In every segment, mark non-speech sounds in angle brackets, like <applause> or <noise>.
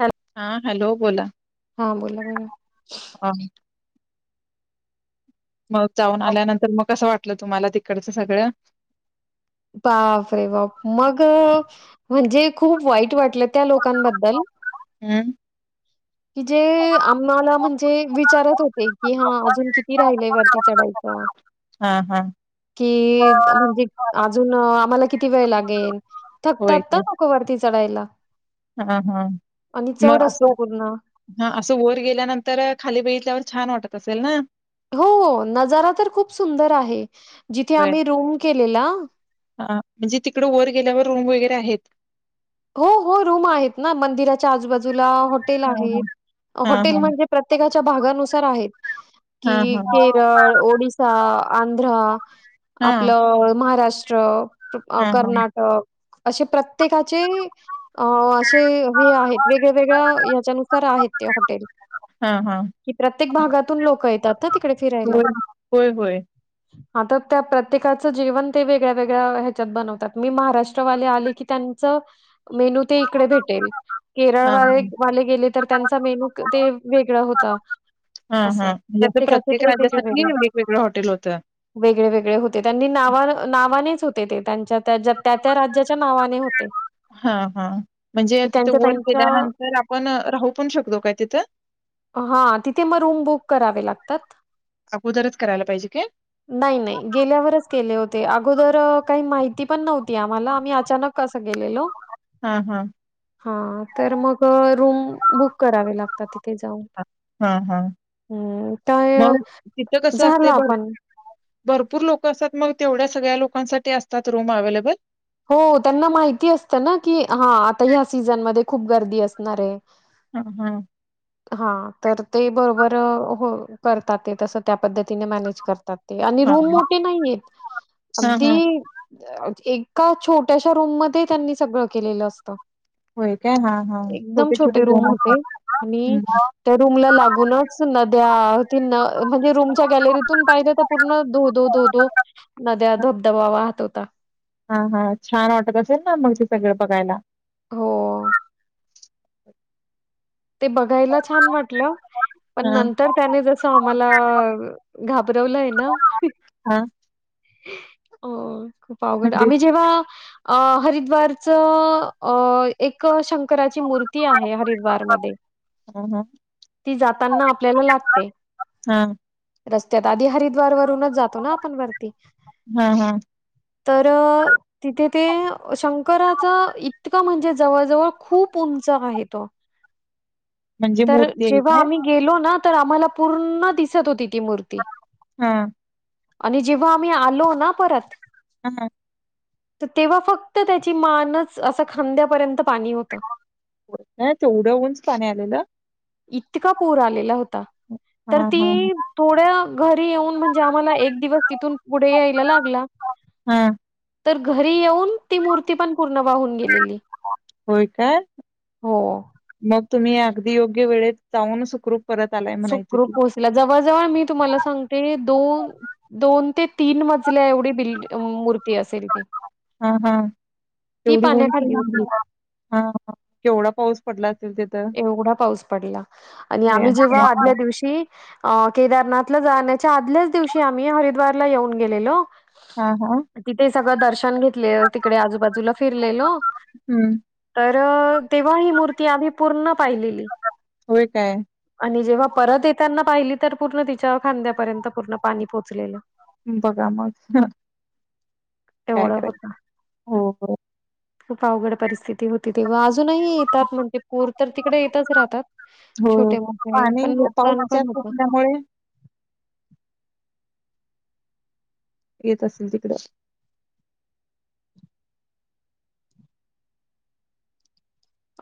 हा हा हॅलो बोला! हो बोला बोला! आ! मग जाऊन आल्यानंतर मग कसं वाटलं तुम्हाला तिकडचं सगळं? बापरे बाप मग म्हणजे खूप वाईट वाटलं त्या लोकांबद्दल. हम्म! की जे आम्हाला म्हणजे विचारत होते कि हा अजून किती राहिलय वरती चढायच हा हा हा कि म्हणजे अजून आम्हाला किती वेळ लागेल होय थकतात ना काय लोकवरती चढायला हा हा आणि चढ मग असतो असं पूर्ण. हा असं वर गेल्यानंतर खाली बघितल्यावर छान वाटत असेल ना हो नजारा तर खूप सुंदर आहे जिथे होय आम्ही रूम केलेला हा म्हणजे तिकडं वर गेल्यावर रूम वगैरे आहेत हो हो रूम आहेत ना मंदिराच्या आजूबाजूला हॉटेल आहेत हा हा हॉटेल हा म्हणजे प्रत्येकाच्या भागानुसार आहेत कि हा हा केरळ ओडिसा आंध्रा हा हा आपलं महाराष्ट्र हां, हां. कर्नाटक असे प्रत्येकाचे अ असे हे आहेत वेगळ्या वेगळ्या हच्यानुसार आहेत ते हॉटेल हां, हां. हां. कि प्रत्येक भागातून लोक येतात ना तिकडे फिरायला होय, <inaudible> आ तर त्या प्रत्येकाचं जीवन ते वेगळ्या वेगळ्या ह्याच्यात बनवतात मी महाराष्ट्रवाले आले की त्यां मेनू ते इकडे भेटेल हां, केरळवाले हां. वाले गेले तर त्यांचा मेनू ते वेगळा होता हा हा असं. प्रत्येकाचे प्रत्येक ते वेगळे-वेगळे. राज्यासाठी वेगवेगळं हॉटेल होतं वेगळे वेगळे होते त्यांनी ना नावानेच होते ते त्यांच्या त्या त्या राज्याच्या नावाने हो ते हा हा, म्हणजे तिथ वर त्यांच्या गेल्यानंतर आपण राहू पण शकतो काय तिथ? हा, तिथे मग रूम बुक करावे लागतात. अगोदरच करायला पाहिजे काय? नाही नाही गेल्यावरच केले होते अगोदर काही माहिती पण नव्हती आम्हाला आम्ही अचानक कस गेलेलो हां, हां. हा तर मग रूम बुक करावे लागतात त ते जाऊन हां, हां. हम् तर मग तिथं कसं झालं असते भर आपण भरपूर लोक असतात मग तेवढ्या सगळ्या लोकांसाठी असतात रूम अव्हेलेबल हो त्यांना माहिती असतं ना की हा आता ह्या सीझनमध्येध्ये खूप गर्दी असणार आहे हा हा हा तर ते बरोबर हो करतात ते तसं त्या पद्धतीने मॅनेज करतात ते आणि हां, रूम हां. मोठे नाहीयेत हां, अगदी हां. एक का छोट्याश्या रूममध्ये त्यांनी सगळं केलेलं असतं होय काय? हां, हां. एकदम छोटे-छोटे छोटे रूम होते असतात. आणि हं. त्या रूम ला लागूनच नद्या तीन म्हणजे रूमच्या गॅलरीतून पाहिजे तर पूर्ण धो दो धो दो नद्या, धबधबा वाहत होता. हा हा छान वाटत असेल ना मग, ते सगळं बघायला? हो. ते बघायला छान वाटलं पण हां. नंतर त्याने जसं आम्हाला घाबरवलंय ना हा अ खूप आवघडाय. म्हणजे आम्ही जेव्हा अ हरिद्वारचं अ एक शंकराची मूर्ती आहे हरिद्वार मध्ये हू हू ती जाताना आपल्याला लागते. हू. रस्त्यात आधी हरिद्वार वरूनच जातो ना आपण वरती. हू हू. तर तिथे ते शंकराच इतकं म्हणजे जवळ, जवळ खूप उंच आहे तो <unintelligible> तर मूर्ती आहे जेव्हा काय? आम्ही गेलो ना तर आम्हाला पूर्ण दिसत होती ती मूर्ती हा आणि जे व्हा आम्ही आलो ना परत ऊ हू तेव्हा फक्त त्याची मानच, असं खांद्यापर्यंत पाणी होत. अ तेवढं उंच पाणी आलेलं? इतका पूर आलेला होता. तर हा हा ती थोड घरी येऊन म्हणजे आम्हाला एक दिवस तून पुढे यायला लागला हा तर घरी येऊन, ती मूर्ती पण पूर्ण वाहून गेली. होय काय? हो. मग तुम्ही अगदी योग्य वेळेत जाऊन सुखरूप परत आलाय म्हणायचं सुुखरुप की पोहोचला. जवळ जवळ मी तुम्हाला सांगते दोन दोन ते तीन मजल्या एवढी बिल्ड मूर्ती असेल ती. हा हा, ती तेवढी उंच पाण्याखाली होती. मूर्ती, हा केवढा पाऊस पडला असेल ते एवढा पाऊस पडला आणि आम्ही सह्याद्री जेव्हा ला. आदल्या दिवशी अ केदारनाथला जाण्याच्या आदल्याच दिवशी आम्ही हरिद्वारला येऊन गेलेलो. हा हा तिथे सगळं दर्शन घेतलेलं तिकडे आजूबाजूला फिरलेलो हम्म तर तेव्हा ही मूर्ती आधी पूर्ण पाहिलेली होय काय आणि जेव्हा परत येताना पाहिली, तर पूर्ण तिच्या खांद्यापर्यंत पूर्ण पाणी पोचलेलं. बघा मग. काय एवढं होतं. करायली? हो. खूप अवघड परिस्थिती होती तेव्हा. अजूनही येतात म्हणजे पूर तर तिकडे येतच राहतात. हो. छोटे मोठे, पण नुकसान पण होतं. मुळे येत असेल तिकडं.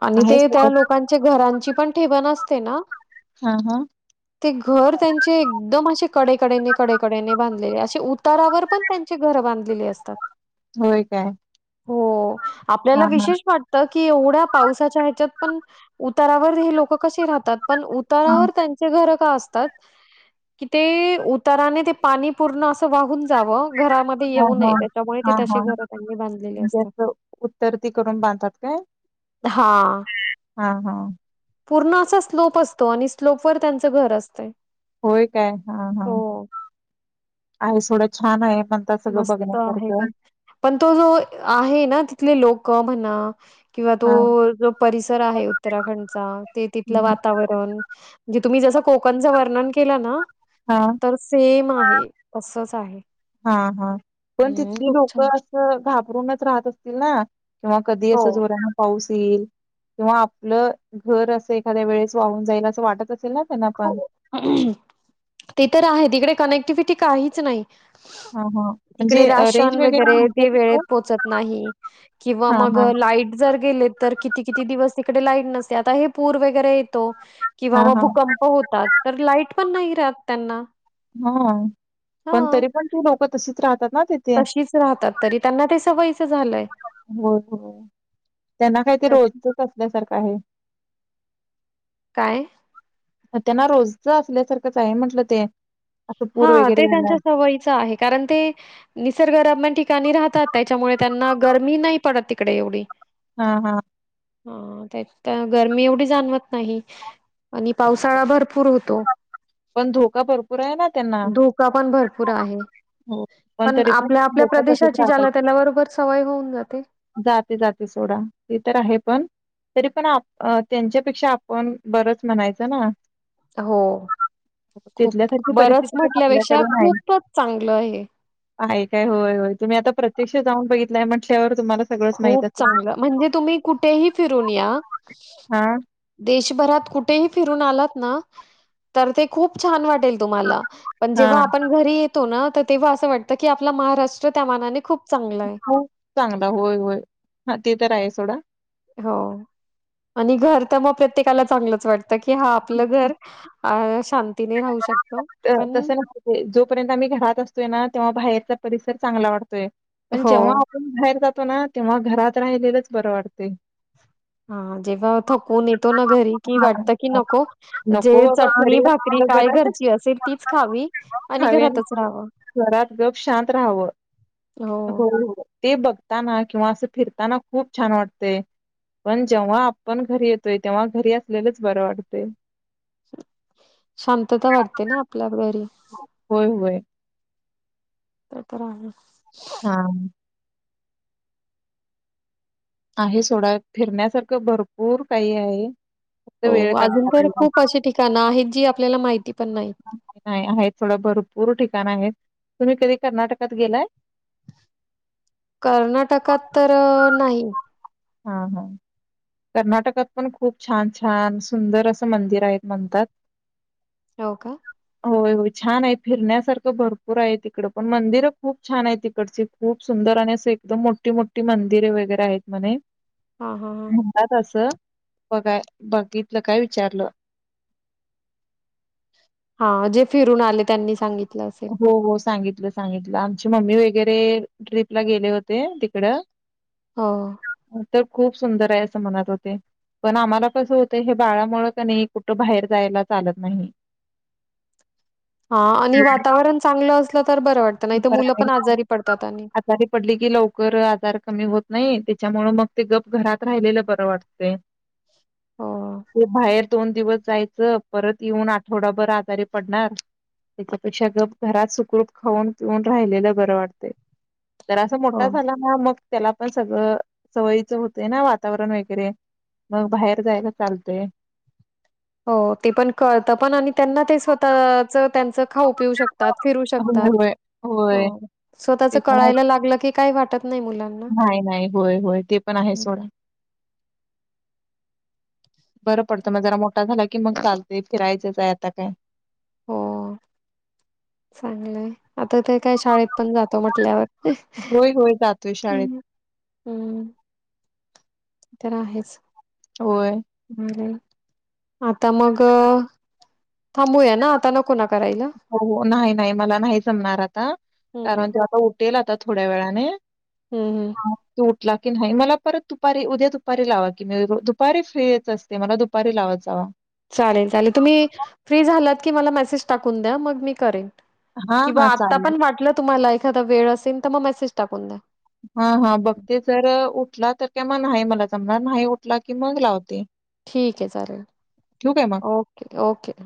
आणि आहे ते त्या सोबत. लोकांच्या घरांची पण ठेवण असते ना हू हू ते घर त्यांचे एकदम असे कडेकडेने कडेकडेने बांधले असे तारावर पण त्यांची घरं बांधलेली असतात. होय काय? हो आपल्याला हां, हां. विशेष वाटत की, एवढ्या पावसाच्या ह्याच्यात पण उतारावर हे लोक कसे राहतात पण हां, उतारावर त्यांचे घरं असतात कि ते उताराने ते पाणी पूर्ण अस वाहून जावं घरामध्ये हां, येऊ नये हां. त्याच्यामुळे ते हां, तशी हां. घर त्यांनी बांधलेली असतात तर ती करून बांधतात काय हा हां, हां. पूर्ण असा स्लोप असतो आणि स्लोप वर त्यांचं घर असतय होय काय हा हा आहे थोडं छान आहे मण सगळं मस्त आहे बघण्यासारखं पण. पण तो जो आहे ना तिथले लोक म्हना किंवा तो हां. जो परिसर आहे उत्तराखंडचा ते तिथलं हं. वातावरण म्हे तुम्ही जसं कोकनचं वर्णन केलं ना हा तरं सेम आहे तसचं आहे हां हां पणं हम्म तिथली खूप लोकं छान. असं घाबरूंनचं राहतं असतील नां किंवा कधीं हो असं जोरांन पाऊस येईल किंवा आपलं घरं असं एखांद्या वेळेसं वाहूंन जाईलं असं वाटतं असेल नां हो ते तरं आहे तिकडे कनेक्टिव्हटी काहींचं नाहीं हां हं तिकडे राशंन वगैरें ते तिथं? वेळेतं पोहोचतं नाहीं किंवा हा मंग हा. लाईट जरं गेले तरं किती किती किती दिवसं तिकडे लाईट नसते आतां हे पूर वगैरें येतो किंवा हां, मं हां. भूकंप होतांत तरं लाईट पणं नाहीं राहतं त्यांनां हां पणं तरी पणं ती लोकं तशीचं राहतांत नां तीथ तशीचं राहतांत तरी त्यांना ते सवयीचं झालंय हो हो त्यांना कांहीत तशी रोजतचं असल्यांसारखं आहे कायं त्यांना रोजचं असल्यांसांरखंचं आहे म्हटलं ते असं पूर हां वगैरे ते आला. त्यांच्या सवयीचं आहे कारणं ते निसर्गरम्य ठिकाणीं राहतांत त्यांच्यामुळे त्यांना गरमी नाहीं पडतं तिकडे एवढी हां हां हां त्यांत गर्मी एवढी जाणवतं नाहीं. आणि पावसाळां भरंपूर होतो. पणं धोका भरंपूर आहे नां. धोकां पणं भरंपूर आहे. हो पण पणं तरी पण आपल्यां आपल्यां लोक तसेच प्रदेशांची ज्यांला राहतात त्यांला बरोबर सवंय होऊनं जाते. जाते जाते सोडां ते तरं आहे पणं तरी पणं आपणं अ त्यांच्यापेक्षां आपणं बरंच म्हणायचं नां. हो खूंप तिथल्यासारखी बरंच परिस्थिती तर म्हटल्यांपेक्षा आपल्याकडे नाही खूपचं चांगलं आहे आहे कायं होयं होयं तुम्हीं आतां प्रत्यक्षं जाऊंन बघितलंय म्हटल्यांवर तुम्हांला खूंप चांगलं म्हणजे तुम्हीं कुठेही फिरूंन यां हा देशभरातं कुंठेही फिरूंन आलांत नां तरं ते खूंप छान वाटेलं तुम्हाला पणं हा जेंव्हा आपणं घरी येतो नां तरं तेंव्हा असं वाटतं की आपलां महाराष्ट्र त्यां मानाने खूंप चांगला आहे हो चांगला होयं होयं हां ते तरं आहे सोंडा हो आणि घरं तरं मंग प्रत्येकांला चांगलंच वाटतं हां आपलं घरं शांतीने राहूं तसं नाही जोपर्यंत आम्हीं घरांत असतोयं नां तेंव्हा बाहेरचां परिसर चांगला वाटतोयं पणं हो. जेंव्हा बाहेर जातो नां तेंव्हा घरांत राहिलेलंच बरं वाटतंय हां जेंव्हा थकूंन येतो नां घरी कि हा वाटतं की नको जे नको बाबा घरी चटणी भाकरी असलेलं कायं घरची असेलं तीचं खांवी खांवी अंन घरांत गंप शांत राहावं हो हो ते बघतांना किंवा असे फिरतांना खूंप छान वाटते. पणं जेंव्हा आपणं घरी येतोय तेंव्हा घरी असलेलंच बरं वाटतंय. शांततां वाटतें नां आपल्यां घरी. होयं होयं. ते तरं आहेचं हां. आहे सोंडा फिरण्यांसारखं भरंपूर कांहीं आहे. फक्त हो वेळ अजूंन काढायला तरं पाहिजे. खूंप अशी ठिकाणं आहेतं जी आपल्यांला माहिती पणं नाहीतं. नाहीं आहेतं थोडं भरंपूर ठिकाणं आहेतं तुम्हीं कधीं कर्नाटकांत गेलाय. कर्नाटकांत तरं नाहीं. हा हा. कर्नाटकात पण खूप छान छान सुंदर असं मंदिर आहेत म्हणतात. हो का. होय होय छान आहे फिरण्यासारखं भरपूर आहे तिकड पण मंदिरं खूप छान आहे तिकडची. खूप सुंदर आणि असं एकदम मोठी मोठी मंदिरे वगैरे आहेत म्हणे. हा हा हां. कसं बघाय बघितलं काय विचारलं. हा जे फिरून आले त्यांनी सांगित हो हो सांगितलं सांगितलं आमची मम्मी वगैरे ट्रिपला गेले होते तिकड हो. तर खूप सुंदर आहे असं म्हणत होते. पण आम्हाला कसं होतं हे बाळामुळं क नई कुठं बाहेर जायला चालत नाही. <inaudible> हा आणि वातावरण चांगलं असलं तर बरं वाटतं नाही तर बरं मुलं आहे पण ना. आजारी पडतात आणि. आजारी पडली की लवकर आजार कमी होत नाही त्याच्यामुळ मग ते गप घरात राहिलेलं बरं वाटतय. हो, ते बाहेर दोन दिवस जायचं परत येऊन आठवडाभर आजारी पडणार पेक्षा गप घरात सुखरूप खाऊन पिऊन राहिलेलं बरं वाटते जरासा हो, मोठा झाला ह मग त्याला पण सगळं सवयीचं होतंय ना वातावरण वगैरे मग बाहेर जाय का चालते हो ते पण कळत पण आणि त्यांना ते स्वतःच त्यांच खाऊ पिऊ शकतात फिर होय शकतात होय होय. स्वतःच त्याच्यामुळे कळायला लागलं की काही वाटत नाही मुलांना नाही नाही होय होय ते पण आहे हं, सोडा बरं पडतं हं. मग जरा मोठा झाला कि मग चालते फिरायचंच आहे आता काय हो चांगलंय आता ते काय शाळेत पण जातो म्हटल्यावर होय होय जातोय शाळेत ह् हम्म. तर आहेच. होय. आणि आता मग थांबूया ना आता नको ना करायला. हो हो नाही नाही मला नाही जमणार आता. कारण हम्म ते आता उठेल आता थोड्या वेळाने. हम् हम्. तो उठला की नाही मला परत दुपारी उद्या दुपारी लावा की मी दुपारी फ्री होत अस ते मला दुपारी लावत जावा. चालेल चालेल तुम्ही फ्री झालात की मला मेसेज टाकून द्या मग मी करेन. हां किंवा हां आता चालेल पण वाटलं तुम्हाला एखादा वेळ असेल तर मग मेसेज टाकून द्या. हा हा बघते जर उठला तर काय न्हाई मला जमणार न्हाई उठला कि मग लावते. ठीक आहे चालेल ठेवू काय मग? Okay okay.